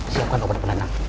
siapkan obat penanang